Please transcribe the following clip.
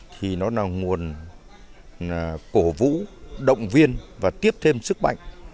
thì nó là nguồn cổ vũ động viên và tiếp thêm sức mạnh